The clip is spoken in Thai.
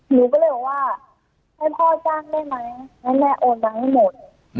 หนูก็เลยบอกว่าให้พ่อจ้างได้ไหมงั้นแม่โอนมาให้หมด